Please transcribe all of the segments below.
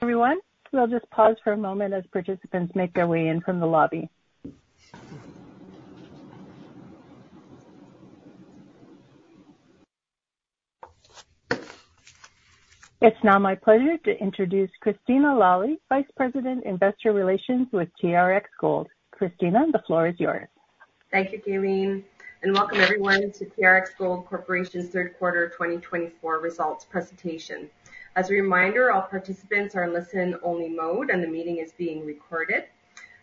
Everyone, we'll just pause for a moment as participants make their way in from the lobby. It's now my pleasure to introduce Christina Lalli, Vice President, Investor Relations with TRX Gold. Christina, the floor is yours. Thank you, Kayleen, and welcome everyone to TRX Gold Corporation's third quarter 2024 results presentation. As a reminder, all participants are in listen-only mode, and the meeting is being recorded.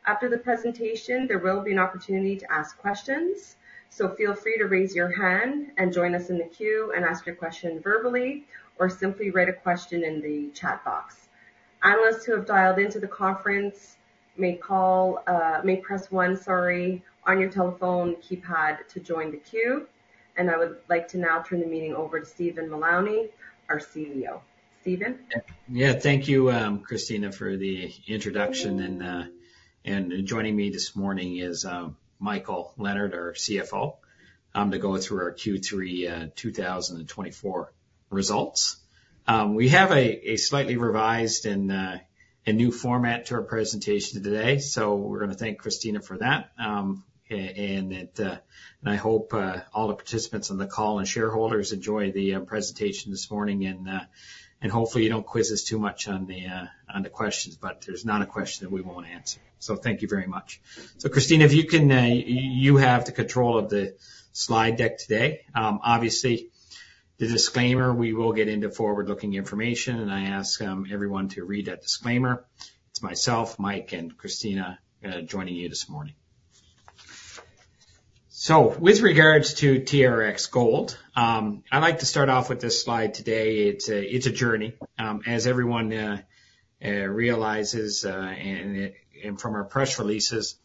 After the presentation, there will be an opportunity to ask questions, so feel free to raise your hand and join us in the queue and ask your question verbally or simply write a question in the chat box. Analysts who have dialed into the conference may press one sorry on your telephone keypad to join the queue. I would like to now turn the meeting over to Stephen Mullowney, our CEO. Stephen. Yeah, thank you, Christina, for the introduction. Joining me this morning is Michael Leonard, our CFO, to go through our Q3 2024 results. We have a slightly revised and new format to our presentation today, so we're going to thank Christina for that. I hope all the participants on the call and shareholders enjoy the presentation this morning. Hopefully, you don't quiz us too much on the questions, but there's not a question that we won't answer. Thank you very much. Christina, you have the control of the slide deck today. Obviously, the disclaimer. We will get into forward-looking information, and I ask everyone to read that disclaimer. It's myself, Mike, and Christina joining you this morning. With regards to TRX Gold, I'd like to start off with this slide today. It's a journey. As everyone realizes from our press releases,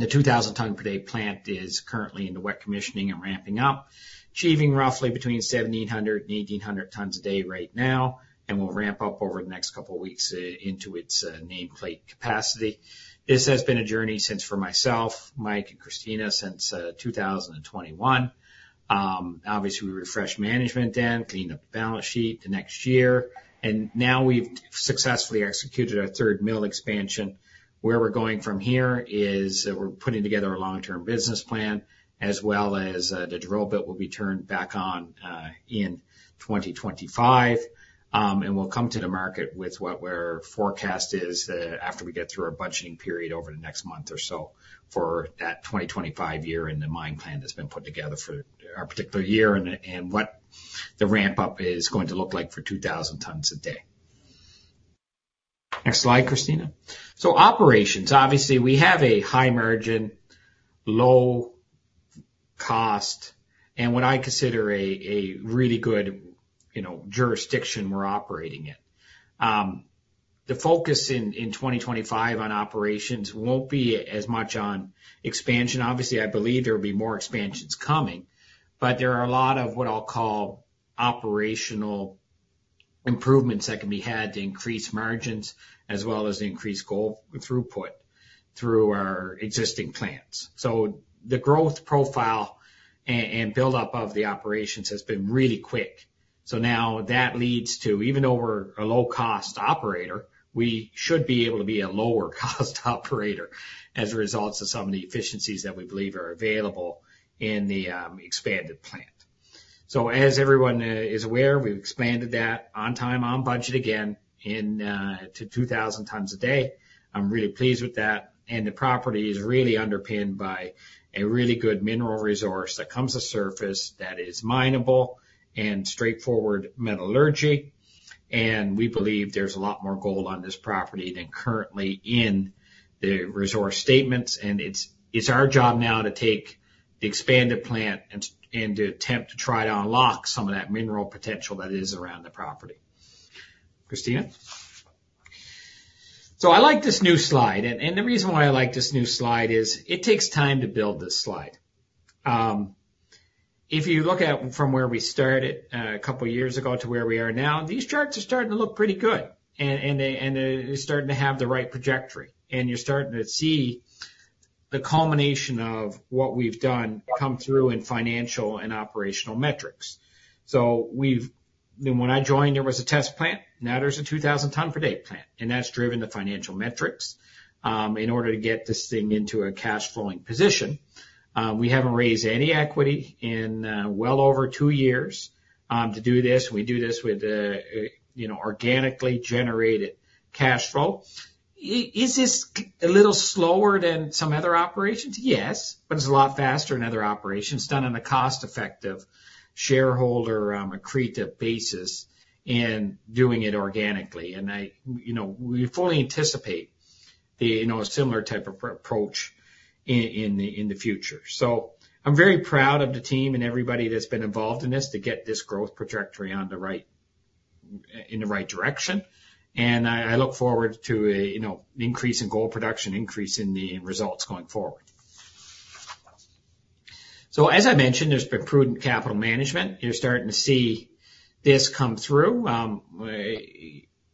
the 2,000-ton-per-day plant is currently in the wet commissioning and ramping up, achieving roughly between 1,700-1,800 tons a day right now, and will ramp up over the next couple of weeks into its nameplate capacity. This has been a journey since for myself, Mike, and Christina since 2021. Obviously, we refreshed management then, cleaned up the balance sheet the next year. Now we've successfully executed our third mill expansion. Where we're going from here is we're putting together a long-term business plan, as well as the drill bit will be turned back on in 2025. We'll come to the market with what we're forecasting after we get through our budgeting period over the next month or so for that 2025 year and the mine plan that's been put together for our particular year and what the ramp-up is going to look like for 2,000 tons a day. Next slide, Christina. Operations, obviously, we have a high margin, low cost, and what I consider a really good jurisdiction we're operating in. The focus in 2025 on operations won't be as much on expansion. Obviously, I believe there will be more expansions coming, but there are a lot of what I'll call operational improvements that can be had to increase margins as well as increase gold throughput through our existing plants. The growth profile and build-up of the operations has been really quick. So now that leads to, even though we're a low-cost operator, we should be able to be a lower-cost operator as a result of some of the efficiencies that we believe are available in the expanded plant. So as everyone is aware, we've expanded that on time, on budget again to 2,000 tons a day. I'm really pleased with that. And the property is really underpinned by a really good mineral resource that comes to surface that is minable and straightforward metallurgy. And we believe there's a lot more gold on this property than currently in the resource statements. And it's our job now to take the expanded plant and to attempt to try to unlock some of that mineral potential that is around the property. Christina? So I like this new slide. And the reason why I like this new slide is it takes time to build this slide. If you look at from where we started a couple of years ago to where we are now, these charts are starting to look pretty good. They're starting to have the right trajectory. You're starting to see the culmination of what we've done come through in financial and operational metrics. When I joined, there was a test plant. Now there's a 2,000-ton-per-day plant. That's driven the financial metrics in order to get this thing into a cash-flowing position. We haven't raised any equity in well over two years to do this. We do this with organically generated cash flow. Is this a little slower than some other operations? Yes, but it's a lot faster in other operations done on a cost-effective shareholder accretive basis and doing it organically. We fully anticipate a similar type of approach in the future. So I'm very proud of the team and everybody that's been involved in this to get this growth trajectory in the right direction. And I look forward to an increase in gold production, increase in the results going forward. So as I mentioned, there's been prudent capital management. You're starting to see this come through.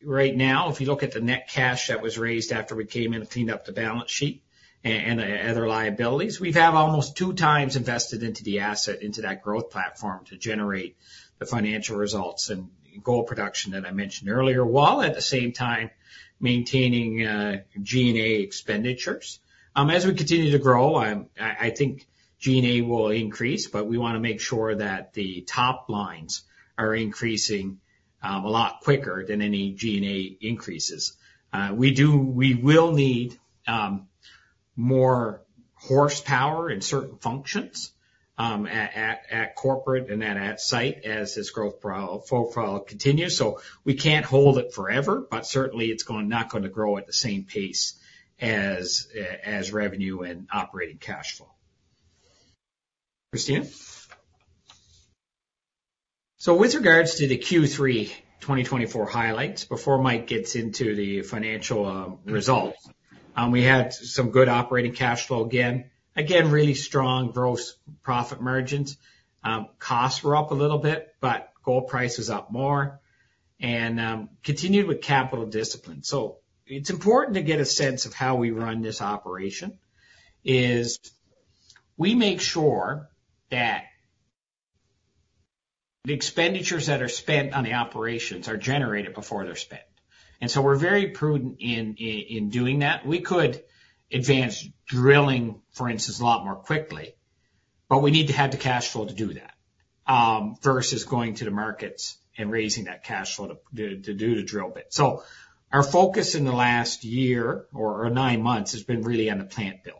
Right now, if you look at the net cash that was raised after we came in and cleaned up the balance sheet and other liabilities, we've had almost two times invested into the asset, into that growth platform to generate the financial results and gold production that I mentioned earlier, while at the same time maintaining G&A expenditures. As we continue to grow, I think G&A will increase, but we want to make sure that the top lines are increasing a lot quicker than any G&A increases. We will need more horsepower in certain functions at corporate and at site as this growth profile continues. So we can't hold it forever, but certainly it's not going to grow at the same pace as revenue and operating cash flow. Christina? So with regards to the Q3 2024 highlights, before Mike gets into the financial results, we had some good operating cash flow again. Again, really strong gross profit margins. Costs were up a little bit, but gold price was up more. And continued with capital discipline. So it's important to get a sense of how we run this operation is we make sure that the expenditures that are spent on the operations are generated before they're spent. And so we're very prudent in doing that. We could advance drilling, for instance, a lot more quickly, but we need to have the cash flow to do that versus going to the markets and raising that cash flow to do the drill bit. So our focus in the last year or nine months has been really on the plant build.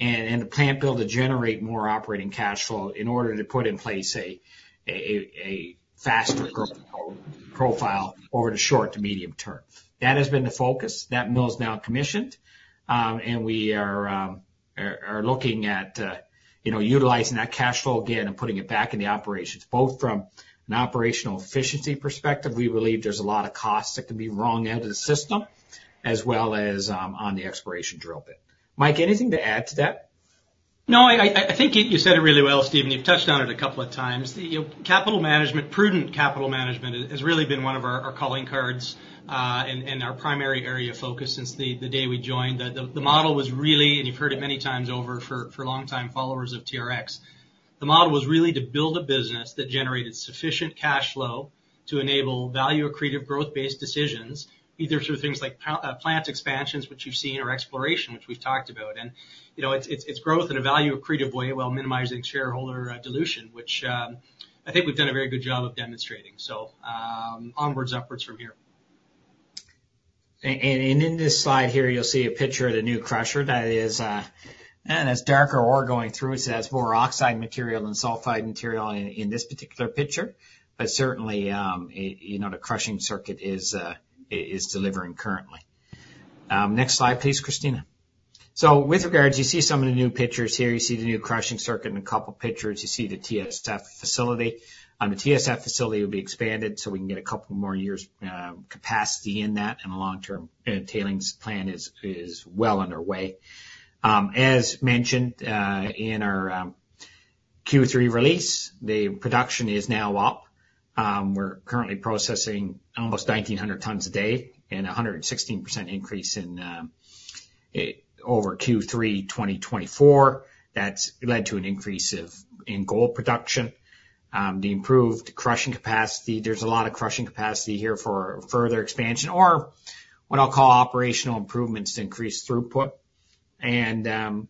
And the plant build to generate more operating cash flow in order to put in place a faster growth profile over the short to medium term. That has been the focus. That mill is now commissioned. And we are looking at utilizing that cash flow again and putting it back in the operations, both from an operational efficiency perspective. We believe there's a lot of costs that can be wrung out of the system, as well as on the exploration drill bit. Mike, anything to add to that? No, I think you said it really well, Stephen. You've touched on it a couple of times. Capital management, prudent capital management, has really been one of our calling cards and our primary area of focus since the day we joined. The model was really, and you've heard it many times over for long-time followers of TRX, the model was really to build a business that generated sufficient cash flow to enable value-accretive growth-based decisions, either through things like plant expansions, which you've seen, or exploration, which we've talked about. And it's growth in a value-accretive way while minimizing shareholder dilution, which I think we've done a very good job of demonstrating. Onwards, upwards from here. In this slide here, you'll see a picture of the new crusher that is, and it's darker ore going through. So that's more oxide material than sulfide material in this particular picture. But certainly, the crushing circuit is delivering currently. Next slide, please, Christina. So with regards, you see some of the new pictures here. You see the new crushing circuit and a couple of pictures. You see the TSF facility. The TSF facility will be expanded so we can get a couple more years' capacity in that, and the long-term tailings plan is well underway. As mentioned in our Q3 release, the production is now up. We're currently processing almost 1,900 tons a day and a 116% increase over Q3 2024. That's led to an increase in gold production. The improved crushing capacity. There's a lot of crushing capacity here for further expansion or what I'll call operational improvements to increase throughput. We're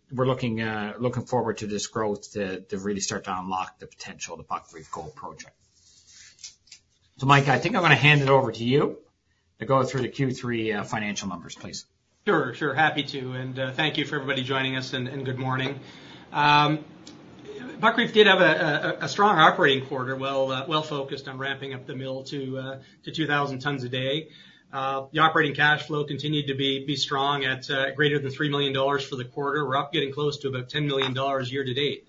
looking forward to this growth to really start to unlock the potential of the Buckreef Gold Project. Mike, I think I'm going to hand it over to you to go through the Q3 financial numbers, please. Sure, sure. Happy to. Thank you for everybody joining us and good morning. Buckreef did have a strong operating quarter, well focused on ramping up the mill to 2,000 tons a day. The operating cash flow continued to be strong at greater than $3 million for the quarter. We're up, getting close to about $10 million year to date.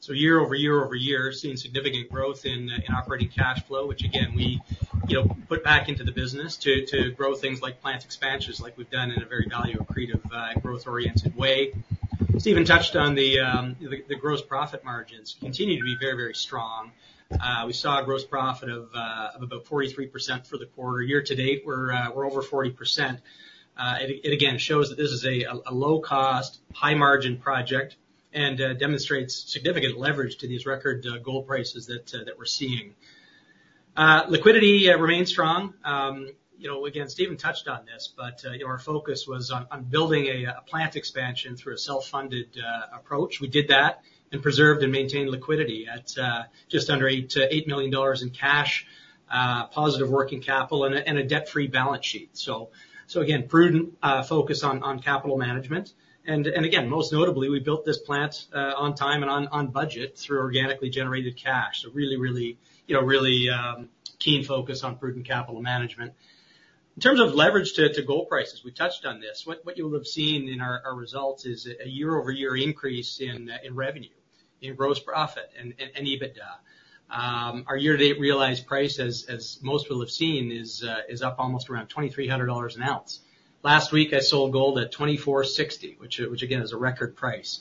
So year over year over year, seeing significant growth in operating cash flow, which again, we put back into the business to grow things like plant expansions like we've done in a very value-accretive growth-oriented way. Stephen touched on the gross profit margins. Continue to be very, very strong. We saw a gross profit of about 43% for the quarter. Year to date, we're over 40%. It again shows that this is a low-cost, high-margin project and demonstrates significant leverage to these record gold prices that we're seeing. Liquidity remains strong. Again, Stephen touched on this, but our focus was on building a plant expansion through a self-funded approach. We did that and preserved and maintained liquidity at just under $8 million in cash, positive working capital, and a debt-free balance sheet. So again, prudent focus on capital management. And again, most notably, we built this plant on time and on budget through organically generated cash. So really, really, really keen focus on prudent capital management. In terms of leverage to gold prices, we touched on this. What you will have seen in our results is a year-over-year increase in revenue, in gross profit, and EBITDA. Our year-to-date realized price, as most people have seen, is up almost around $2,300 an ounce. Last week, I sold gold at $2,460, which again is a record price.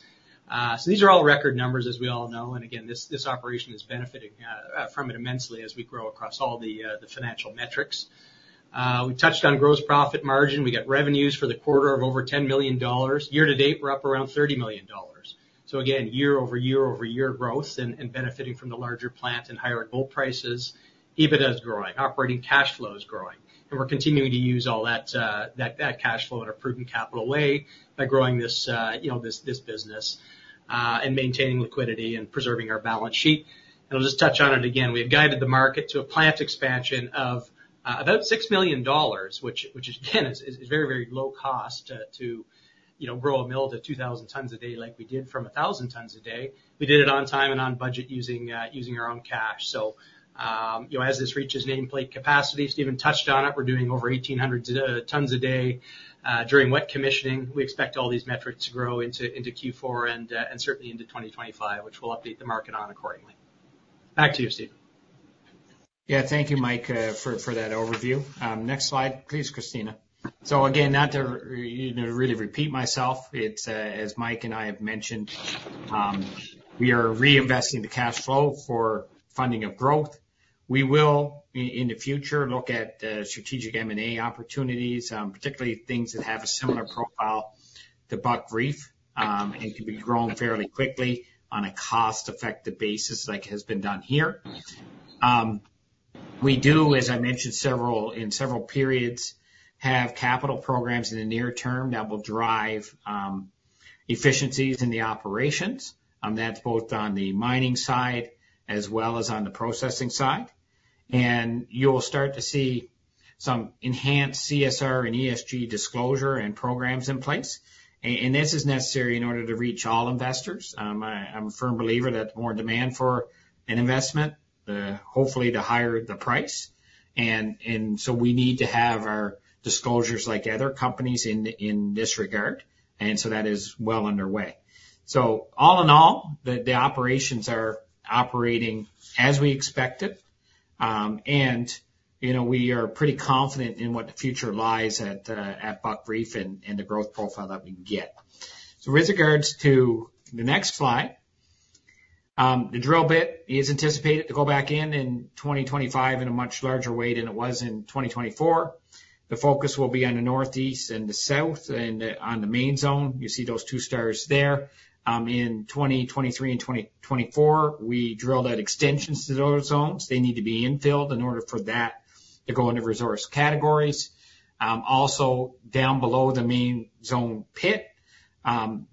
So these are all record numbers, as we all know. Again, this operation is benefiting from it immensely as we grow across all the financial metrics. We touched on gross profit margin. We got revenues for the quarter of over $10 million. Year to date, we're up around $30 million. Again, year-over-year over year growth and benefiting from the larger plant and higher gold prices. EBITDA is growing. Operating cash flow is growing. We're continuing to use all that cash flow in a prudent capital way by growing this business and maintaining liquidity and preserving our balance sheet. I'll just touch on it again. We have guided the market to a plant expansion of about $6 million, which again is very, very low cost to grow a mill to 2,000 tons a day like we did from 1,000 tons a day. We did it on time and on budget using our own cash. As this reaches nameplate capacity, Stephen touched on it. We're doing over 1,800 tons a day during wet commissioning. We expect all these metrics to grow into Q4 and certainly into 2025, which we'll update the market on accordingly. Back to you, Stephen. Yeah, thank you, Mike, for that overview. Next slide, please, Christina. So again, not to really repeat myself, as Mike and I have mentioned, we are reinvesting the cash flow for funding of growth. We will, in the future, look at strategic M&A opportunities, particularly things that have a similar profile to Buckreef and can be grown fairly quickly on a cost-effective basis like has been done here. We do, as I mentioned, in several periods, have capital programs in the near term that will drive efficiencies in the operations. That's both on the mining side as well as on the processing side. And you'll start to see some enhanced CSR and ESG disclosure and programs in place. And this is necessary in order to reach all investors. I'm a firm believer that more demand for an investment, hopefully the higher the price. We need to have our disclosures like other companies in this regard. That is well underway. All in all, the operations are operating as we expected. We are pretty confident in what the future lies at Buckreef and the growth profile that we can get. With regards to the next slide, the drill bit is anticipated to go back in in 2025 in a much larger way than it was in 2024. The focus will be on the northeast and the south and on the main zone. You see those two stars there. In 2023 and 2024, we drilled at extensions to those zones. They need to be infilled in order for that to go into resource categories. Also, down below the main zone pit,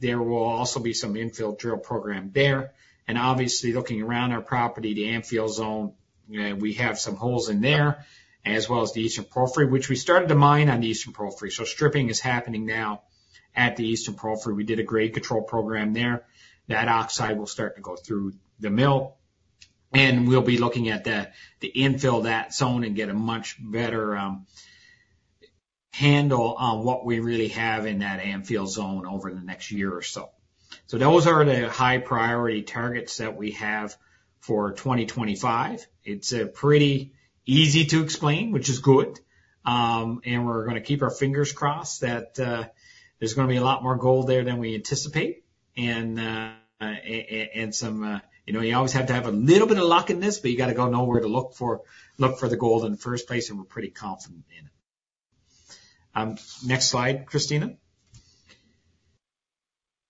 there will also be some infill drill program there. And obviously, looking around our property, the infill zone, we have some holes in there, as well as the eastern periphery, which we started to mine on the eastern periphery. So stripping is happening now at the eastern periphery. We did a grade control program there. That oxide will start to go through the mill. And we'll be looking at the infill of that zone and get a much better handle on what we really have in that infill zone over the next year or so. So those are the high-priority targets that we have for 2025. It's pretty easy to explain, which is good. And we're going to keep our fingers crossed that there's going to be a lot more gold there than we anticipate. And you always have to have a little bit of luck in this, but you got to go nowhere to look for the gold in the first place, and we're pretty confident in it. Next slide, Christina.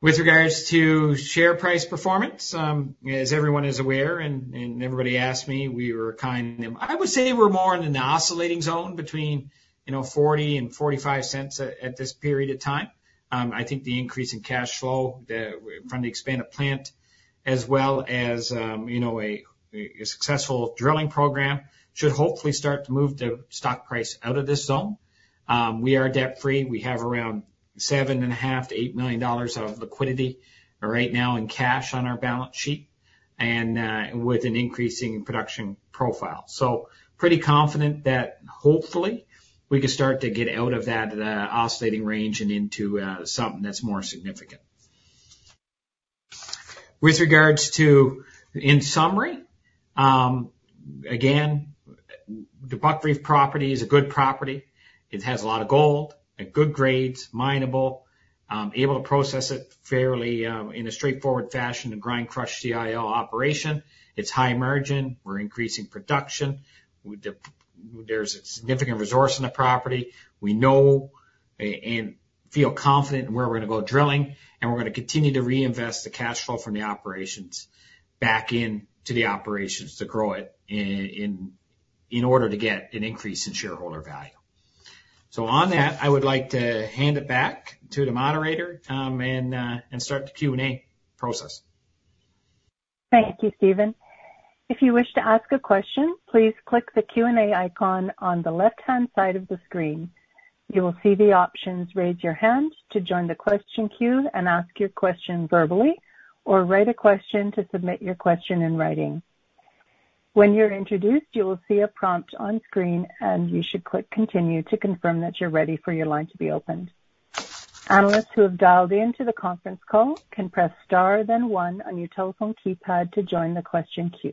With regards to share price performance, as everyone is aware and everybody asked me, we were kind of, I would say we're more in an oscillating zone between $0.40 and $0.45 at this period of time. I think the increase in cash flow from the expanded plant, as well as a successful drilling program, should hopefully start to move the stock price out of this zone. We are debt-free. We have around $7.5 million-$8 million of liquidity right now in cash on our balance sheet and with an increasing production profile. So pretty confident that hopefully we can start to get out of that oscillating range and into something that's more significant. With regards to, in summary, again, the Buckreef property is a good property. It has a lot of gold, good grades, minable, able to process it fairly in a straightforward fashion, a grind crush CIL operation. It's high margin. We're increasing production. There's a significant resource in the property. We know and feel confident in where we're going to go drilling, and we're going to continue to reinvest the cash flow from the operations back into the operations to grow it in order to get an increase in shareholder value. So on that, I would like to hand it back to the moderator and start the Q&A process. Thank you, Stephen. If you wish to ask a question, please click the Q&A icon on the left-hand side of the screen. You will see the options Raise Your Hand to join the question queue and ask your question verbally, or write a question to submit your question in writing. When you're introduced, you will see a prompt on screen, and you should click Continue to confirm that you're ready for your line to be opened. Analysts who have dialed into the conference call can press Star, then 1 on your telephone keypad to join the question queue.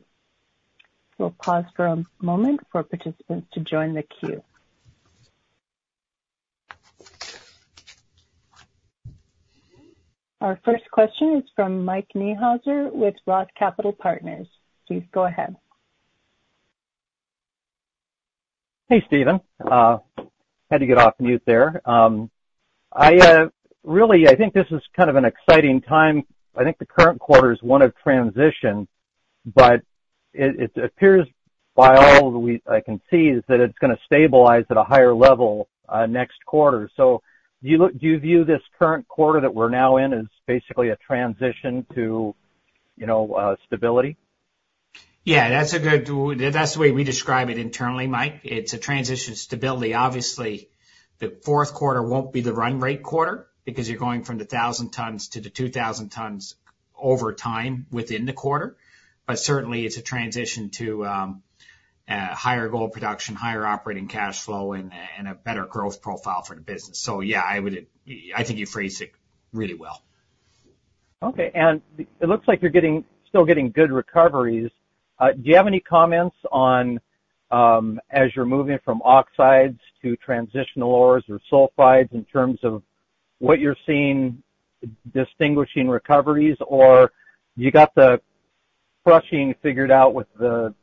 We'll pause for a moment for participants to join the queue. Our first question is from Mike Niehuser with Roth Capital Partners. Please go ahead. Hey, Stephen. Had to get off mute there. Really, I think this is kind of an exciting time. I think the current quarter is one of transition, but it appears by all that I can see that it's going to stabilize at a higher level next quarter. So do you view this current quarter that we're now in as basically a transition to stability? Yeah, that's the way we describe it internally, Mike. It's a transition to stability. Obviously, the fourth quarter won't be the run rate quarter because you're going from the 1,000 tons to the 2,000 tons over time within the quarter. But certainly, it's a transition to higher gold production, higher operating cash flow, and a better growth profile for the business. So yeah, I think you phrased it really well. Okay. It looks like you're still getting good recoveries. Do you have any comments as you're moving from oxides to transitional ores or sulfides in terms of what you're seeing distinguishing recoveries, or do you got the crushing figured out with the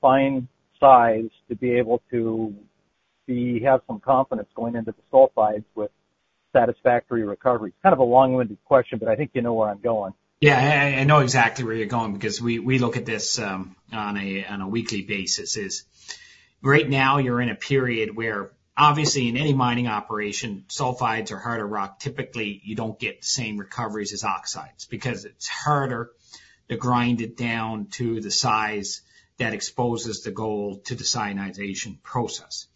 fine size to be able to have some confidence going into the sulfides with satisfactory recoveries? Kind of a long-winded question, but I think you know where I'm going. Yeah, I know exactly where you're going because we look at this on a weekly basis. Right now, you're in a period where obviously in any mining operation, sulfides are harder rock. Typically, you don't get the same recoveries as oxides because it's harder to grind it down to the size that exposes the gold to the cyanidation process.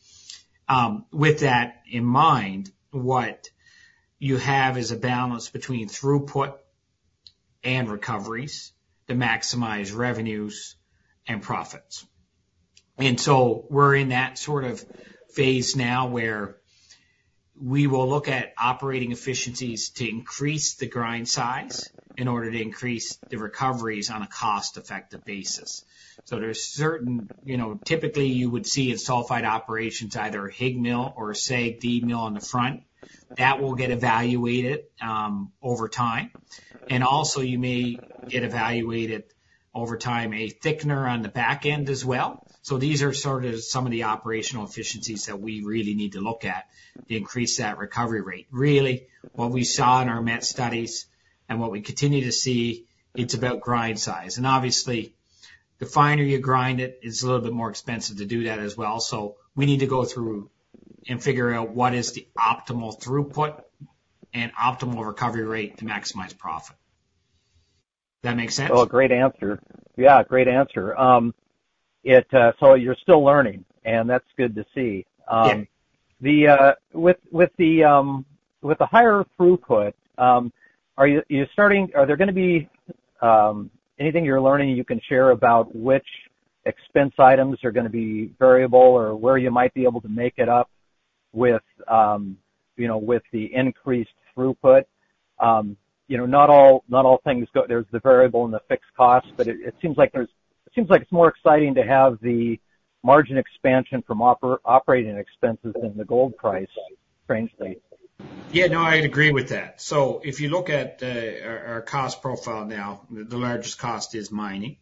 With that in mind, what you have is a balance between throughput and recoveries to maximize revenues and profits. And so we're in that sort of phase now where we will look at operating efficiencies to increase the grind size in order to increase the recoveries on a cost-effective basis. So there's certain typically you would see in sulfide operations either a HIGmill or a SAG mill on the front. That will get evaluated over time. And also, you may get evaluated over time a thickener on the back end as well. So these are sort of some of the operational efficiencies that we really need to look at to increase that recovery rate. Really, what we saw in our met studies and what we continue to see, it's about grind size. And obviously, the finer you grind it, it's a little bit more expensive to do that as well. So we need to go through and figure out what is the optimal throughput and optimal recovery rate to maximize profit. Does that make sense? Well, great answer. Yeah, great answer. So you're still learning, and that's good to see. With the higher throughput, are there going to be anything you're learning you can share about which expense items are going to be variable or where you might be able to make it up with the increased throughput? Not all things go, there's the variable and the fixed cost, but it seems like it's more exciting to have the margin expansion from operating expenses than the gold price, frankly. Yeah, no, I'd agree with that. So if you look at our cost profile now, the largest cost is mining.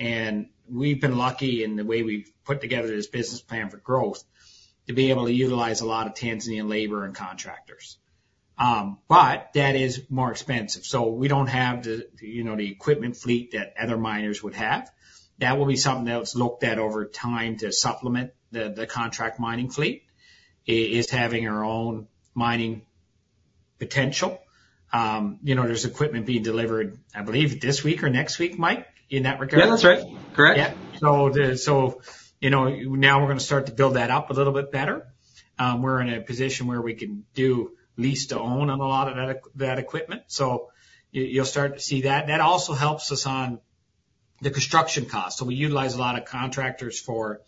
And we've been lucky in the way we've put together this business plan for growth to be able to utilize a lot of Tanzanian labor and contractors. But that is more expensive. So we don't have the equipment fleet that other miners would have. That will be something that's looked at over time to supplement the contract mining fleet. It is having our own mining potential. There's equipment being delivered, I believe, this week or next week, Mike, in that regard. Yeah, that's right. Correct. Yeah. So now we're going to start to build that up a little bit better. We're in a position where we can do lease-to-own on a lot of that equipment. So you'll start to see that. That also helps us on the construction cost. So we utilize a lot of contractors for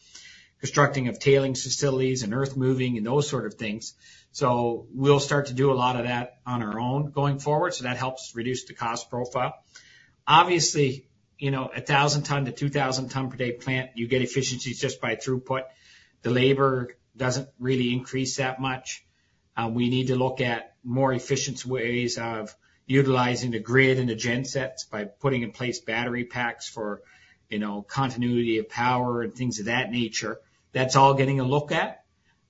constructing of tailings facilities and earth moving and those sort of things. So we'll start to do a lot of that on our own going forward. So that helps reduce the cost profile. Obviously, 1,000-2,000-ton per day plant, you get efficiencies just by throughput. The labor doesn't really increase that much. We need to look at more efficient ways of utilizing the grid and the gensets by putting in place battery packs for continuity of power and things of that nature. That's all getting a look at.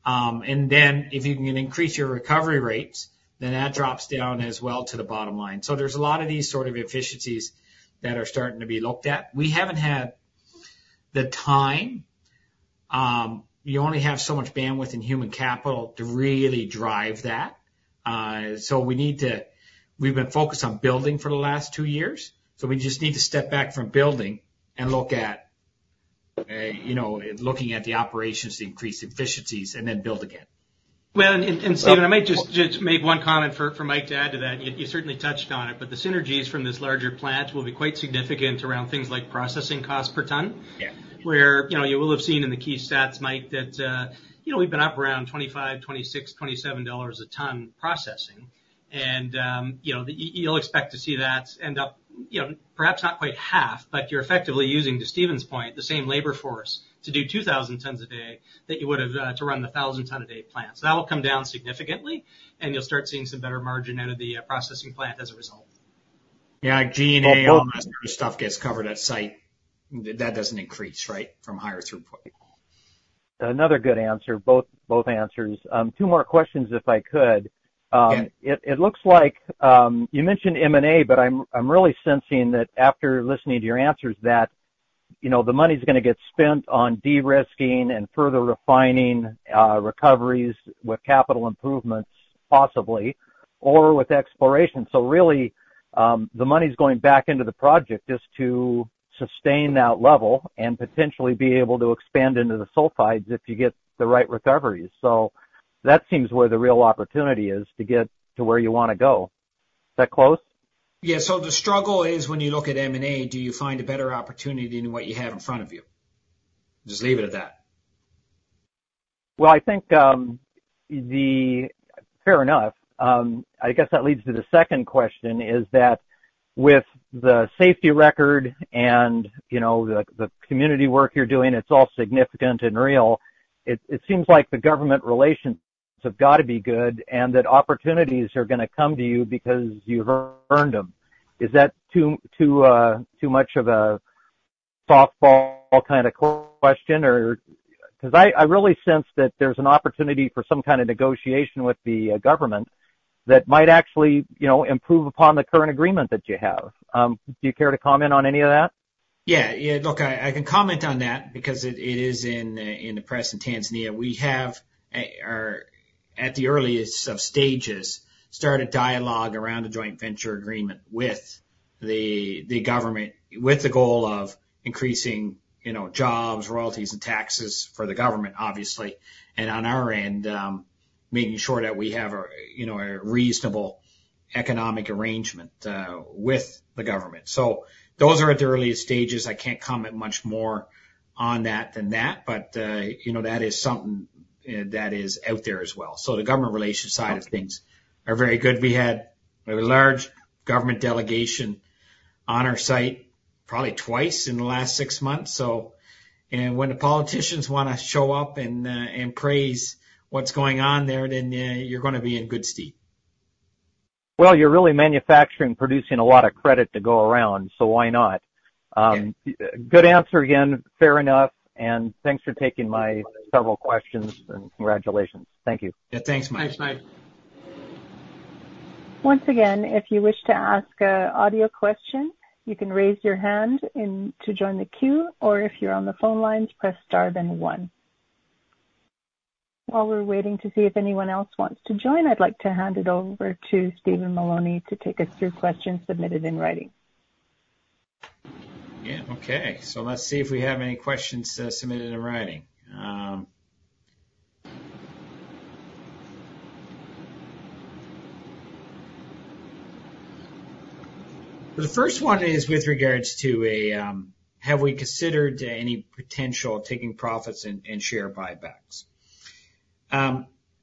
And then if you can increase your recovery rates, then that drops down as well to the bottom line. So there's a lot of these sort of efficiencies that are starting to be looked at. We haven't had the time. You only have so much bandwidth and human capital to really drive that. So we've been focused on building for the last two years. So we just need to step back from building and look at looking at the operations to increase efficiencies and then build again. Well, and Stephen, I might just make one comment for Mike to add to that. You certainly touched on it, but the synergies from this larger plant will be quite significant around things like processing costs per ton, where you will have seen in the key stats, Mike, that we've been up around $25, $26, $27 a ton processing. You'll expect to see that end up perhaps not quite half, but you're effectively using, to Stephen's point, the same labor force to do 2,000 tons a day that you would have to run the 1,000-ton a day plant. That will come down significantly, and you'll start seeing some better margin out of the processing plant as a result. Yeah, G&A and all that sort of stuff gets covered at site. That doesn't increase, right, from higher throughput. Another good answer. Both answers. Two more questions if I could. It looks like you mentioned M&A, but I'm really sensing that after listening to your answers that the money's going to get spent on de-risking and further refining recoveries with capital improvements, possibly, or with exploration. So really, the money's going back into the project just to sustain that level and potentially be able to expand into the sulfides if you get the right recoveries. So that seems where the real opportunity is to get to where you want to go. Is that close? Yeah. The struggle is when you look at M&A, do you find a better opportunity than what you have in front of you? Just leave it at that. Well, I think fair enough. I guess that leads to the second question is that with the safety record and the community work you're doing, it's all significant and real. It seems like the government relations have got to be good and that opportunities are going to come to you because you've earned them. Is that too much of a softball kind of question? Because I really sense that there's an opportunity for some kind of negotiation with the government that might actually improve upon the current agreement that you have. Do you care to comment on any of that? Yeah. Look, I can comment on that because it is in the press in Tanzania. We have, at the earliest of stages, started dialogue around a joint venture agreement with the government with the goal of increasing jobs, royalties, and taxes for the government, obviously, and on our end, making sure that we have a reasonable economic arrangement with the government. So those are at the earliest stages. I can't comment much more on that than that, but that is something that is out there as well. So the government relations side of things are very good. We had a large government delegation on our site probably twice in the last six months. So when the politicians want to show up and praise what's going on there, then you're going to be in good stead. Well, you're really manufacturing and producing a lot of credit to go around, so why not? Good answer again. Fair enough. Thanks for taking my several questions and congratulations. Thank you. Yeah, thanks, Mike. Thanks, Mike. Once again, if you wish to ask an audio question, you can raise your hand to join the queue, or if you're on the phone lines, press star, then one. While we're waiting to see if anyone else wants to join, I'd like to hand it over to Stephen Mullowney to take us through questions submitted in writing. Yeah. Okay. So let's see if we have any questions submitted in writing. The first one is with regards to: have we considered any potential taking profits and share buybacks?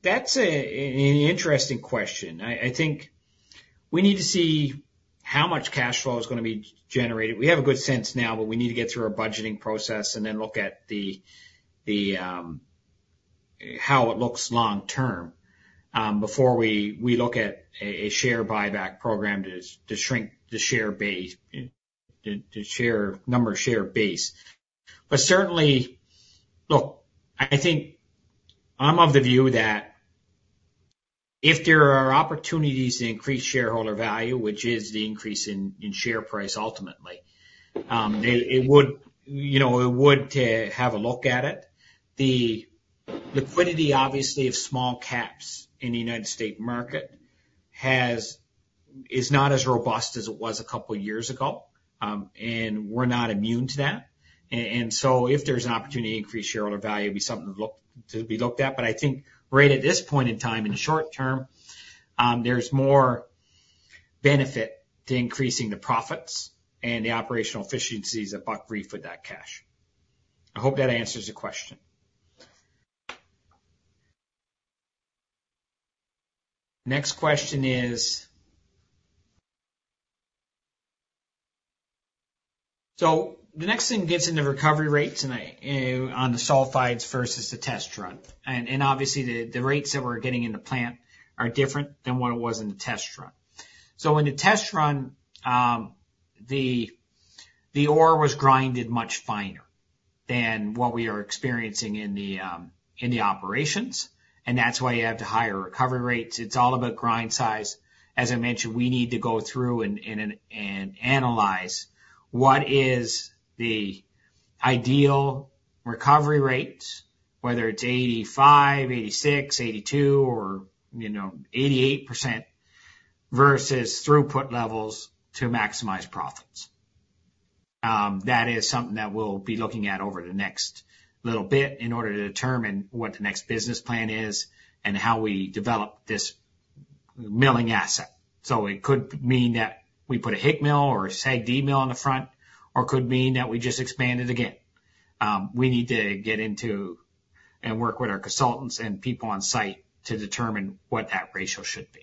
That's an interesting question. I think we need to see how much cash flow is going to be generated. We have a good sense now, but we need to get through our budgeting process and then look at how it looks long-term before we look at a share buyback program to shrink our share base. But certainly, look, I think I'm of the view that if there are opportunities to increase shareholder value, which is the increase in share price ultimately, we would have a look at it. The liquidity, obviously, of small caps in the United States market is not as robust as it was a couple of years ago, and we're not immune to that. If there's an opportunity to increase shareholder value, it'd be something to be looked at. But I think right at this point in time, in the short term, there's more benefit to increasing the profits and the operational efficiencies of Buckreef with that cash. I hope that answers the question. Next question is, so the next thing gets into recovery rates on the sulfides versus the test run. And obviously, the rates that we're getting in the plant are different than what it was in the test run. So in the test run, the ore was ground much finer than what we are experiencing in the operations. And that's why you have higher recovery rates. It's all about grind size. As I mentioned, we need to go through and analyze what is the ideal recovery rates, whether it's 85%, 86%, 82%, or 88% versus throughput levels to maximize profits. That is something that we'll be looking at over the next little bit in order to determine what the next business plan is and how we develop this milling asset. So it could mean that we put a HIGmill or a SAG mill on the front, or it could mean that we just expand it again. We need to get into and work with our consultants and people on site to determine what that ratio should be.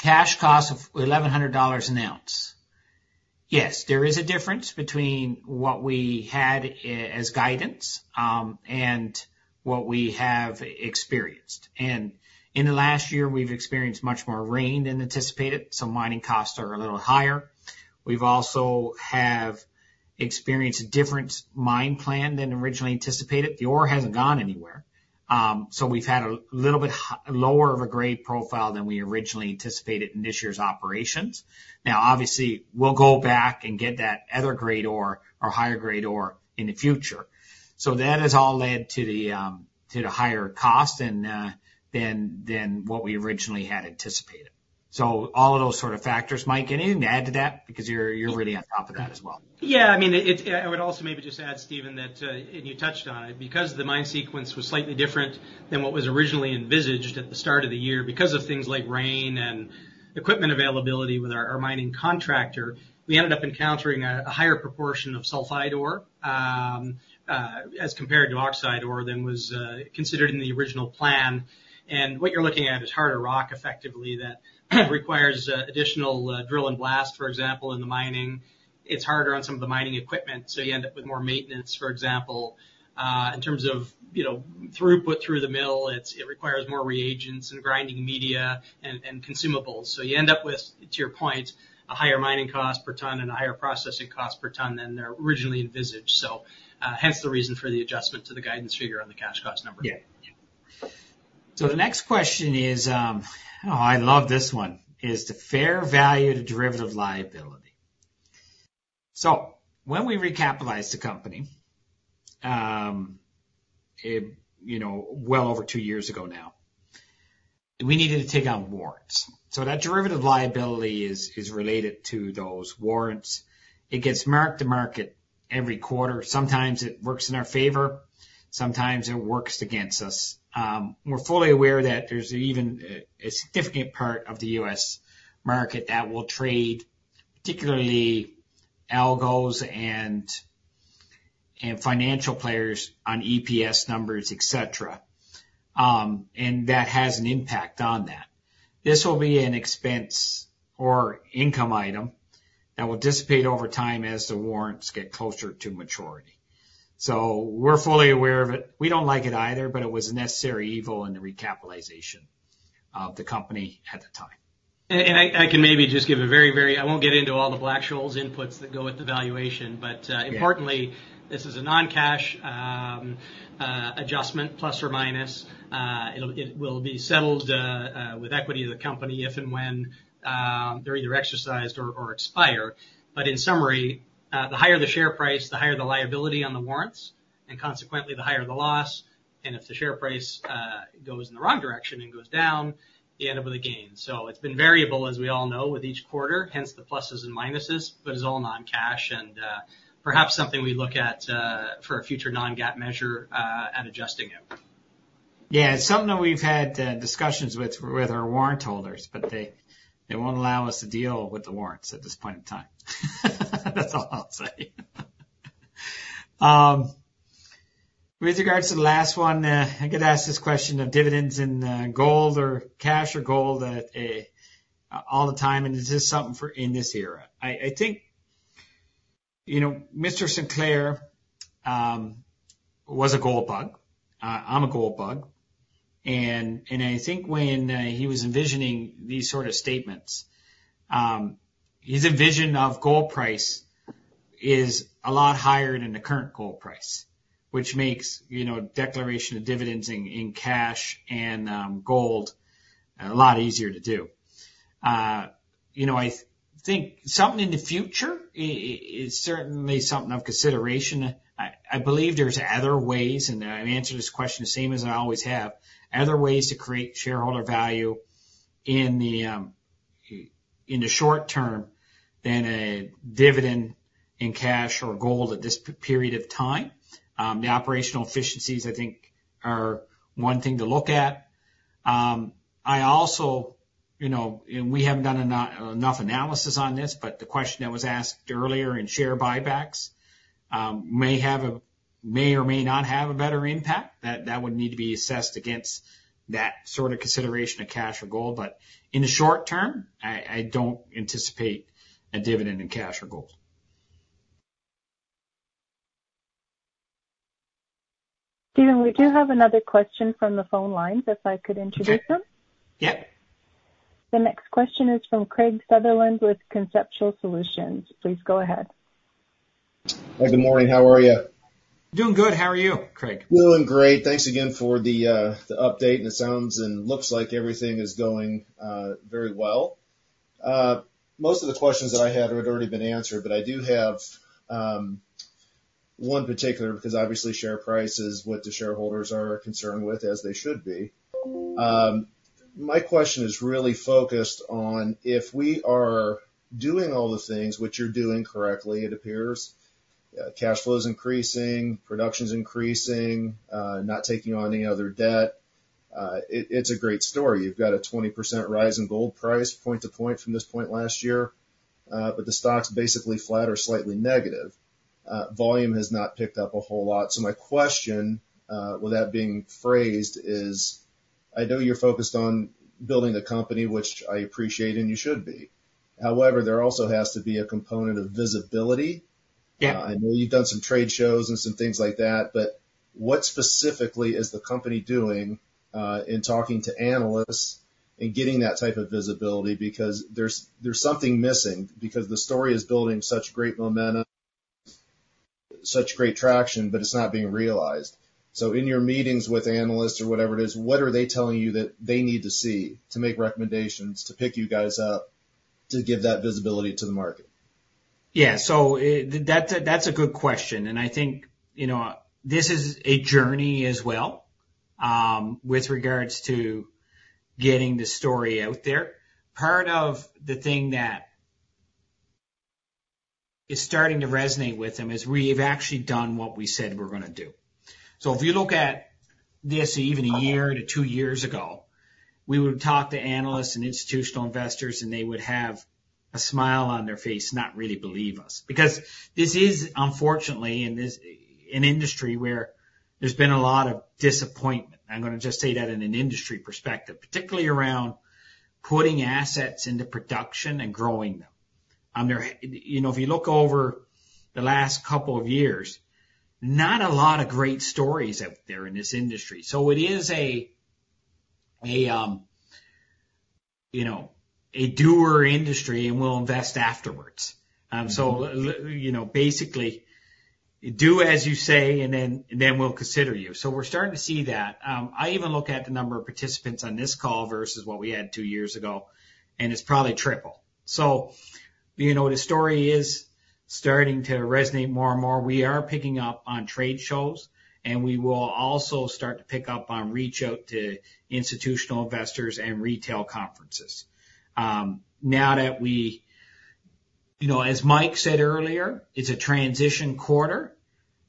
Cash cost of $1,100 an ounce. Yes, there is a difference between what we had as guidance and what we have experienced. In the last year, we've experienced much more rain than anticipated. Mining costs are a little higher. We've also experienced a different mine plan than originally anticipated. The ore hasn't gone anywhere. So we've had a little bit lower of a grade profile than we originally anticipated in this year's operations. Now, obviously, we'll go back and get that other grade ore or higher grade ore in the future. So that has all led to the higher cost than what we originally had anticipated. So all of those sort of factors. Mike, anything to add to that? Because you're really on top of that as well. Yeah. I mean, I would also maybe just add, Stephen, that you touched on it. Because the mine sequence was slightly different than what was originally envisaged at the start of the year, because of things like rain and equipment availability with our mining contractor, we ended up encountering a higher proportion of sulfide ore as compared to oxide ore than was considered in the original plan. And what you're looking at is harder rock, effectively, that requires additional drill and blast, for example, in the mining. It's harder on some of the mining equipment. So you end up with more maintenance, for example, in terms of throughput through the mill. It requires more reagents and grinding media and consumables. So you end up with, to your point, a higher mining cost per ton and a higher processing cost per ton than originally envisaged. So hence the reason for the adjustment to the guidance figure on the cash cost number. Yeah. So the next question is, oh, I love this one, is the fair value to derivative liability. So when we recapitalized the company well over two years ago now, we needed to take on warrants. So that derivative liability is related to those warrants. It gets marked to market every quarter. Sometimes it works in our favor. Sometimes it works against us. We're fully aware that there's even a significant part of the U.S. market that will trade, particularly algos and financial players on EPS numbers, etc. And that has an impact on that. This will be an expense or income item that will dissipate over time as the warrants get closer to maturity. So we're fully aware of it. We don't like it either, but it was a necessary evil in the recapitalization of the company at the time. And I can maybe just give a very, very, I won't get into all the Black-Scholes inputs that go with the valuation, but importantly, this is a non-cash adjustment, plus or minus. It will be settled with equity of the company if and when they're either exercised or expire. But in summary, the higher the share price, the higher the liability on the warrants, and consequently, the higher the loss. And if the share price goes in the wrong direction and goes down, you end up with a gain. So it's been variable, as we all know, with each quarter, hence the pluses and minuses, but it's all non-cash and perhaps something we look at for a future non-GAAP measure at adjusting it. Yeah. It's something that we've had discussions with our warrant holders, but they won't allow us to deal with the warrants at this point in time. That's all I'll say. With regards to the last one, I get asked this question of dividends in gold or cash or gold all the time, and it's just something for in this era. I think Mr. Sinclair was a gold bug. I'm a gold bug. And I think when he was envisioning these sort of statements, his envision of gold price is a lot higher than the current gold price, which makes declaration of dividends in cash and gold a lot easier to do. I think something in the future is certainly something of consideration. I believe there's other ways, and I answer this question the same as I always have, other ways to create shareholder value in the short term than a dividend in cash or gold at this period of time. The operational efficiencies, I think, are one thing to look at. I also, and we haven't done enough analysis on this, but the question that was asked earlier in share buybacks may or may not have a better impact. That would need to be assessed against that sort of consideration of cash or gold. But in the short term, I don't anticipate a dividend in cash or gold. Stephen, we do have another question from the phone line. If I could introduce them. Yeah. The next question is from Craig Sutherland with Conceptual Solutions. Please go ahead. Hey, good morning. How are you? Doing good. How are you, Craig? Doing great. Thanks again for the update. It sounds and looks like everything is going very well. Most of the questions that I had had already been answered, but I do have one particular because obviously share price is what the shareholders are concerned with, as they should be. My question is really focused on if we are doing all the things which you're doing correctly, it appears, cash flow is increasing, production's increasing, not taking on any other debt. It's a great story. You've got a 20% rise in gold price point to point from this point last year, but the stock's basically flat or slightly negative. Volume has not picked up a whole lot. So my question, with that being phrased, is I know you're focused on building the company, which I appreciate, and you should be. However, there also has to be a component of visibility. I know you've done some trade shows and some things like that, but what specifically is the company doing in talking to analysts and getting that type of visibility? Because there's something missing because the story is building such great momentum, such great traction, but it's not being realized. So in your meetings with analysts or whatever it is, what are they telling you that they need to see to make recommendations to pick you guys up to give that visibility to the market? Yeah. That's a good question. I think this is a journey as well with regards to getting the story out there. Part of the thing that is starting to resonate with them is we've actually done what we said we're going to do. If you look at this even a year to two years ago, we would talk to analysts and institutional investors, and they would have a smile on their face, not really believe us. Because this is, unfortunately, an industry where there's been a lot of disappointment. I'm going to just say that in an industry perspective, particularly around putting assets into production and growing them. If you look over the last couple of years, not a lot of great stories out there in this industry. It is a doer industry, and we'll invest afterwards. So basically, do as you say, and then we'll consider you. So we're starting to see that. I even look at the number of participants on this call versus what we had two years ago, and it's probably triple. So the story is starting to resonate more and more. We are picking up on trade shows, and we will also start to pick up on reach out to institutional investors and retail conferences. Now that we, as Mike said earlier, it's a transition quarter.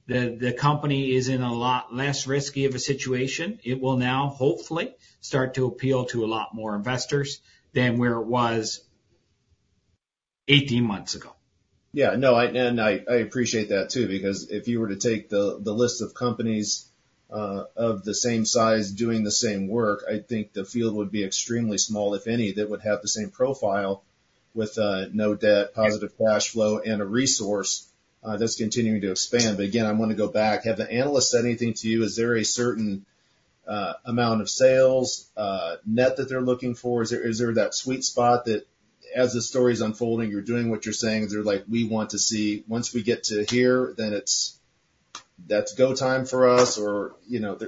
The company is in a lot less risky of a situation. It will now hopefully start to appeal to a lot more investors than where it was 18 months ago. Yeah. No, and I appreciate that too because if you were to take the list of companies of the same size doing the same work, I think the field would be extremely small, if any, that would have the same profile with no debt, positive cash flow, and a resource that's continuing to expand. But again, I want to go back. Have the analysts said anything to you? Is there a certain amount of sales net that they're looking for? Is there that sweet spot that as the story is unfolding, you're doing what you're saying? They're like, "We want to see once we get to here, then that's go time for us," or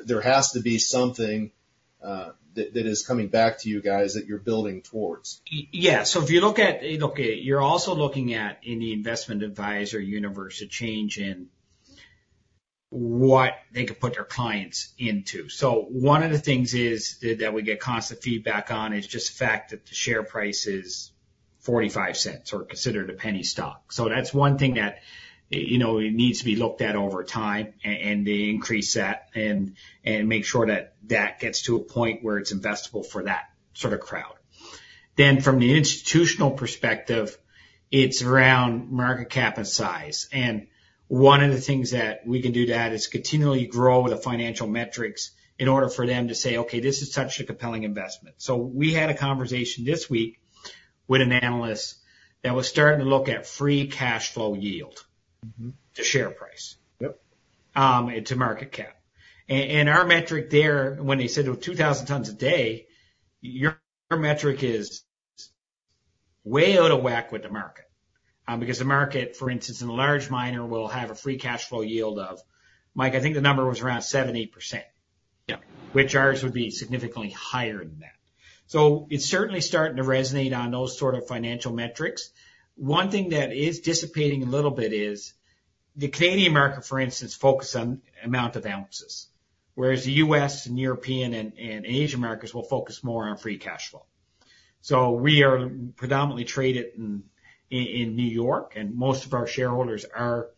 there has to be something that is coming back to you guys that you're building towards? Yeah. So if you look at, you're also looking at any investment advisor universe to change in what they could put their clients into. So one of the things that we get constant feedback on is just the fact that the share price is $0.45 or considered a penny stock. So that's one thing that needs to be looked at over time and increase that and make sure that that gets to a point where it's investable for that sort of crowd. Then from the institutional perspective, it's around market cap and size. One of the things that we can do to that is continually grow with the financial metrics in order for them to say, "Okay, this is such a compelling investment." So we had a conversation this week with an analyst that was starting to look at free cash flow yield to share price and to market cap. And our metric there, when they said it was 2,000 tons a day, your metric is way out of whack with the market because the market, for instance, in a large miner will have a free cash flow yield of, Mike, I think the number was around 70%, which ours would be significantly higher than that. So it's certainly starting to resonate on those sort of financial metrics. One thing that is dissipating a little bit is the Canadian market, for instance, focused on the amount of ounces, whereas the U.S. and European and Asian markets will focus more on free cash flow. So we are predominantly traded in New York, and most of our shareholders are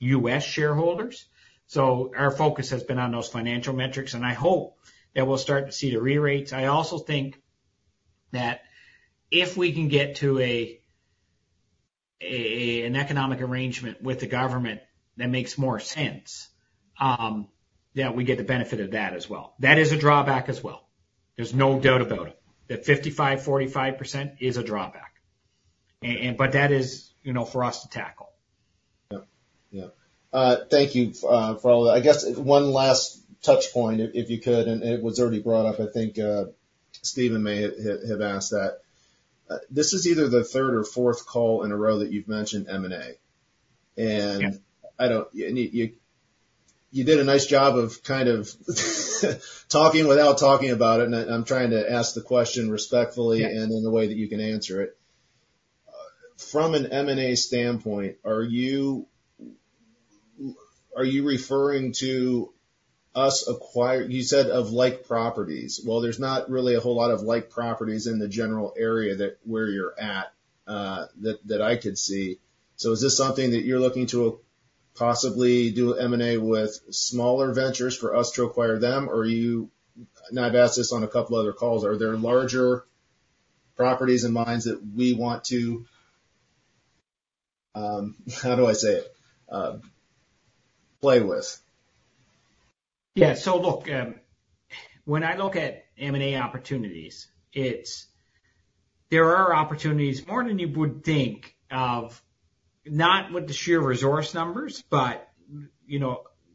U.S. shareholders. So our focus has been on those financial metrics, and I hope that we'll start to see the re-rates. I also think that if we can get to an economic arrangement with the government that makes more sense, that we get the benefit of that as well. That is a drawback as well. There's no doubt about it. The 55%-45% is a drawback, but that is for us to tackle. Yeah. Yeah. Thank you for all that. I guess one last touchpoint, if you could, and it was already brought up. I think Stephen may have asked that. This is either the third or fourth call in a row that you've mentioned M&A. And you did a nice job of kind of talking without talking about it. And I'm trying to ask the question respectfully and in the way that you can answer it. From an M&A standpoint, are you referring to us acquiring you said of like properties? Well, there's not really a whole lot of like properties in the general area where you're at that I could see. So is this something that you're looking to possibly do an M&A with smaller ventures for us to acquire them? Or you, I've asked this on a couple of other calls) are there larger properties and mines that we want to, how do I say it, play with? Yeah. So look, when I look at M&A opportunities, there are opportunities more than you would think of, not with the sheer resource numbers, but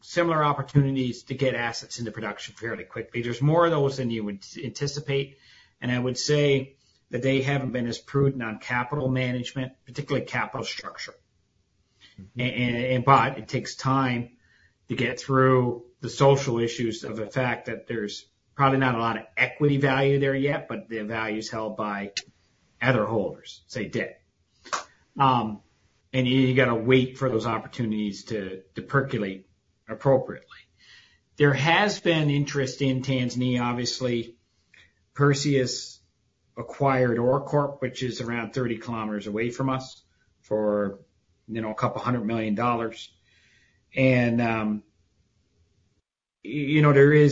similar opportunities to get assets into production fairly quickly. There's more of those than you would anticipate. And I would say that they haven't been as prudent on capital management, particularly capital structure. But it takes time to get through the social issues of the fact that there's probably not a lot of equity value there yet, but the value is held by other holders, say, debt. And you got to wait for those opportunities to percolate appropriately. There has been interest in Tanzania, obviously. Perseus acquired OreCorp, which is around 30 km away from us for $200 million. There are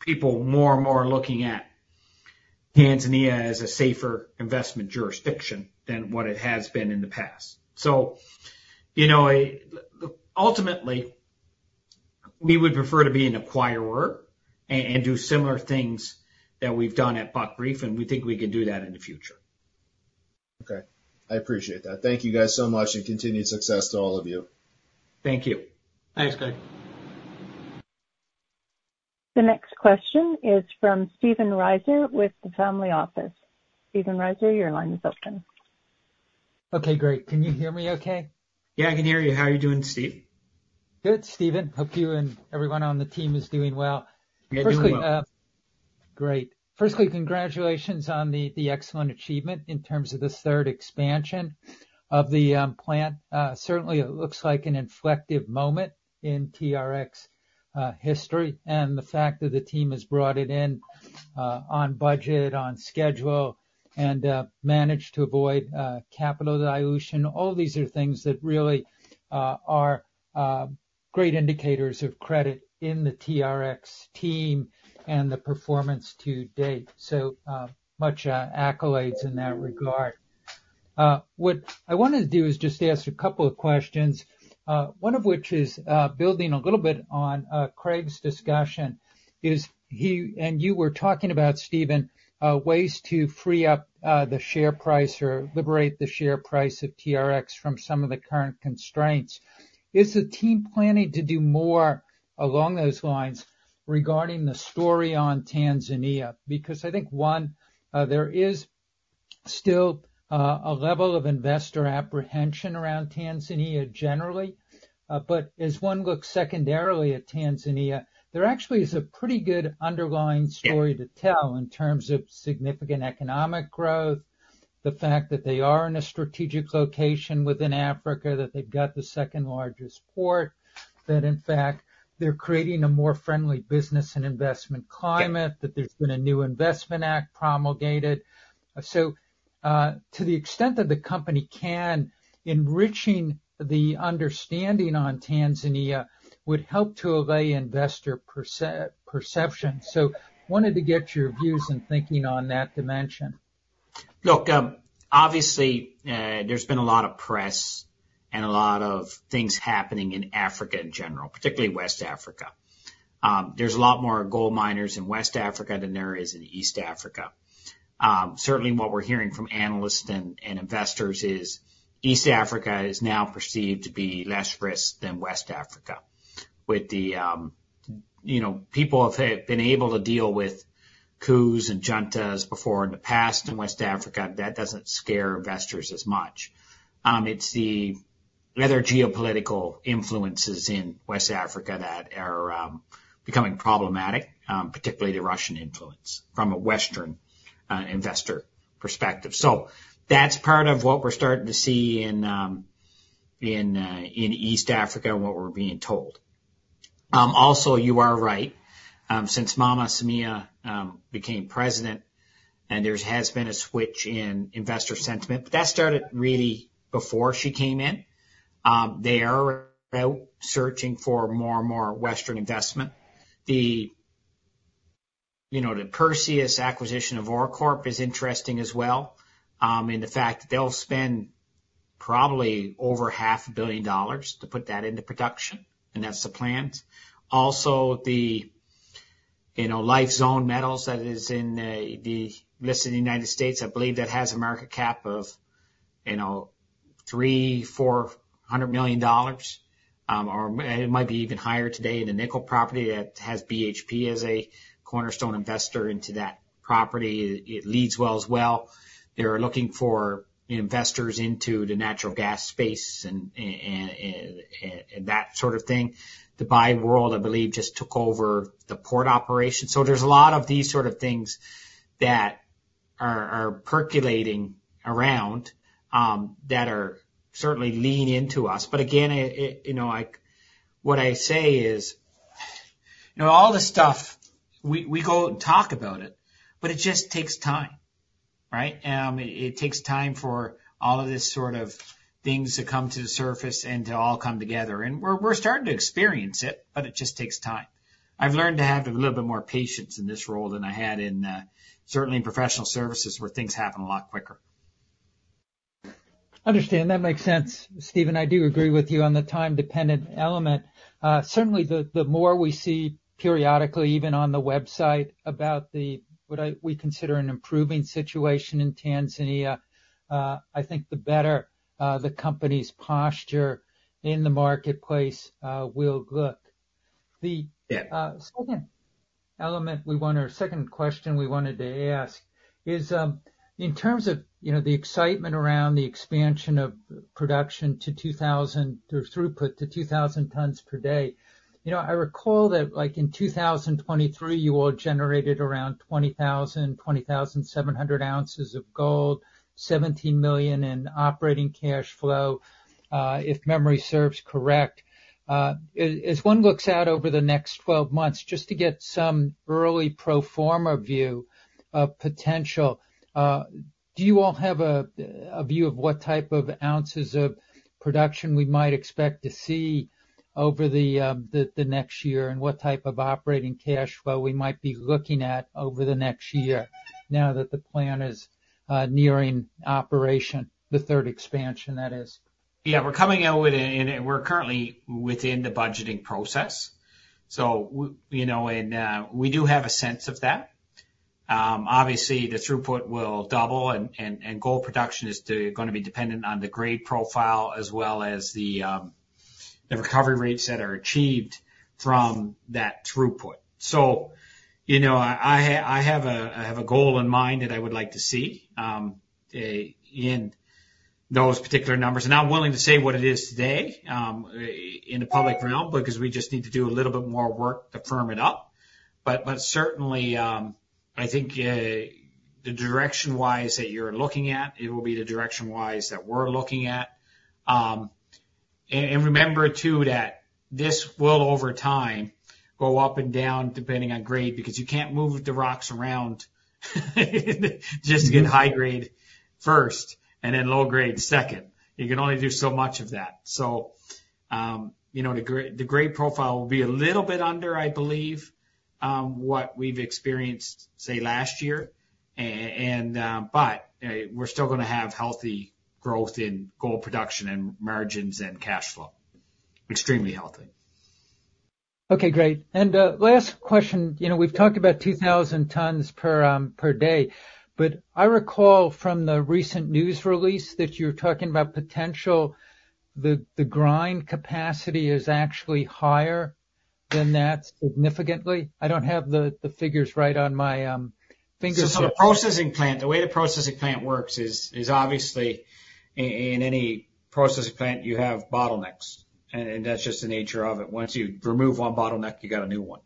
people more and more looking at Tanzania as a safer investment jurisdiction than what it has been in the past. So ultimately, we would prefer to be an acquirer and do similar things that we've done at Buckreef, and we think we can do that in the future. Okay. I appreciate that. Thank you guys so much and continued success to all of you. Thank you. Thanks, Craig. The next question is from Stephen Riser with the family office. Stephen Riser, your line is open. Okay. Great. Can you hear me okay? Yeah, I can hear you. How are you doing, Steve? Good, Stephen. Hope you and everyone on the team is doing well. Great. Firstly, congratulations on the excellent achievement in terms of the third expansion of the plant. Certainly, it looks like an inflection moment in TRX history. And the fact that the team has brought it in on budget, on schedule, and managed to avoid capital dilution, all these are things that really are great indicators of credit to the TRX team and the performance to date. So many accolades in that regard. What I wanted to do is just ask a couple of questions, one of which is building a little bit on Craig's discussion. And you were talking about, Stephen, ways to free up the share price or liberate the share price of TRX from some of the current constraints. Is the team planning to do more along those lines regarding the story on Tanzania? Because I think, one, there is still a level of investor apprehension around Tanzania generally. But as one looks secondarily at Tanzania, there actually is a pretty good underlying story to tell in terms of significant economic growth, the fact that they are in a strategic location within Africa, that they've got the second largest port, that in fact, they're creating a more friendly business and investment climate, that there's been a new investment act promulgated. So to the extent that the company can, enriching the understanding on Tanzania would help to allay investor perception. So wanted to get your views and thinking on that dimension. Look, obviously, there's been a lot of press and a lot of things happening in Africa in general, particularly West Africa. There's a lot more gold miners in West Africa than there is in East Africa. Certainly, what we're hearing from analysts and investors is East Africa is now perceived to be less risk than West Africa. With the people have been able to deal with coups and juntas before in the past in West Africa, that doesn't scare investors as much. It's the other geopolitical influences in West Africa that are becoming problematic, particularly the Russian influence from a Western investor perspective. So that's part of what we're starting to see in East Africa and what we're being told. Also, you are right. Since Mama Samia became president, and there has been a switch in investor sentiment, but that started really before she came in. They are searching for more and more Western investment. The Perseus acquisition of OreCorp is interesting as well in the fact that they'll spend probably over $500 million to put that into production, and that's the plan. Also, the Lifezone Metals that's listed in the United States, I believe that has a market cap of $300 million-$400 million, or it might be even higher today in a nickel property that has BHP as a cornerstone investor into that property. It bodes well as well. They are looking for investors into the natural gas space and that sort of thing. The DP World, I believe, just took over the port operation. So there's a lot of these sort of things that are percolating around that are certainly leaning into us. But again, what I say is all the stuff, we go and talk about it, but it just takes time, right? It takes time for all of this sort of things to come to the surface and to all come together. And we're starting to experience it, but it just takes time. I've learned to have a little bit more patience in this role than I had certainly in professional services where things happen a lot quicker. Understand. That makes sense. Stephen, I do agree with you on the time-dependent element. Certainly, the more we see periodically, even on the website about what we consider an improving situation in Tanzania, I think the better the company's posture in the marketplace will look. The second element we wanted, or second question we wanted to ask is in terms of the excitement around the expansion of production to 2,000 or throughput to 2,000 tons per day. I recall that in 2023, you all generated around 20,000, 20,700 ounces of gold, $17 million in operating cash flow, if memory serves correct. As one looks out over the next 12 months, just to get some early pro forma view of potential, do you all have a view of what type of ounces of production we might expect to see over the next year and what type of operating cash flow we might be looking at over the next year now that the plant is nearing operation, the third expansion, that is? Yeah. We're coming out with it, and we're currently within the budgeting process. So we do have a sense of that. Obviously, the throughput will double, and gold production is going to be dependent on the grade profile as well as the recovery rates that are achieved from that throughput. So I have a goal in mind that I would like to see in those particular numbers. And I'm willing to say what it is today in the public realm because we just need to do a little bit more work to firm it up. But certainly, I think the direction-wise that you're looking at, it will be the direction-wise that we're looking at. And remember too that this will, over time, go up and down depending on grade because you can't move the rocks around just to get high grade first and then low grade second. You can only do so much of that. So the grade profile will be a little bit under, I believe, what we've experienced, say, last year. But we're still going to have healthy growth in gold production and margins and cash flow, extremely healthy. Okay. Great. And last question. We've talked about 2,000 tons per day, but I recall from the recent news release that you're talking about potential, the grind capacity is actually higher than that significantly. I don't have the figures right at my fingertips. The processing plant, the way the processing plant works is obviously in any processing plant, you have bottlenecks, and that's just the nature of it. Once you remove one bottleneck, you got a new one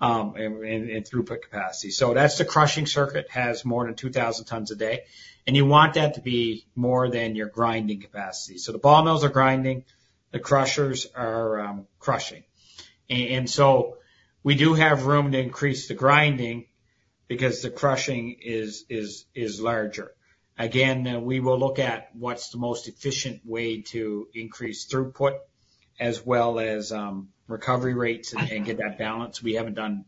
in throughput capacity. That's the crushing circuit has more than 2,000 tons a day, and you want that to be more than your grinding capacity. The ball mills are grinding, the crushers are crushing. We do have room to increase the grinding because the crushing is larger. Again, we will look at what's the most efficient way to increase throughput as well as recovery rates and get that balance. We haven't done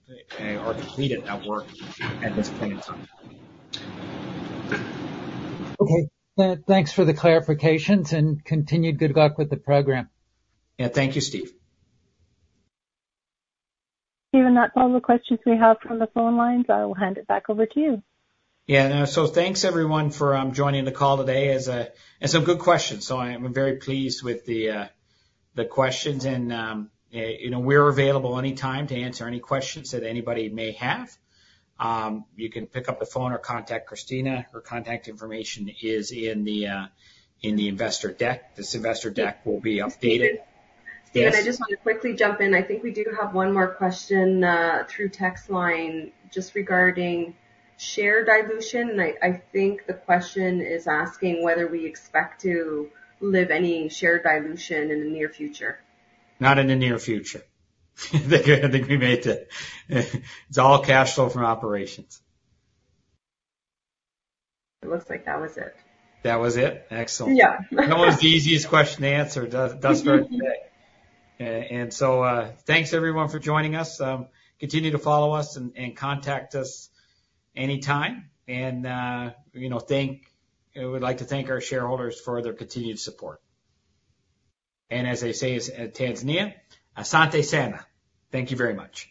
or completed that work at this point in time. Okay. Thanks for the clarifications and continued good luck with the program. Yeah. Thank you, Steve. Stephen, that's all the questions we have from the phone lines. I will hand it back over to you. Yeah. Thanks, everyone, for joining the call today. Some good questions. I'm very pleased with the questions. We're available anytime to answer any questions that anybody may have. You can pick up the phone or contact Christina. Her contact information is in the investor deck. This investor deck will be updated. I just want to quickly jump in. I think we do have one more question through text line just regarding share dilution. I think the question is asking whether we expect to have any share dilution in the near future. Not in the near future. I think it's all cash flow from operations. It looks like that was it. That was it. Excellent. That was the easiest question to answer, thus far. And so thanks, everyone, for joining us. Continue to follow us and contact us anytime. And we'd like to thank our shareholders for their continued support. And as I say, Tanzania, asante sana. Thank you very much.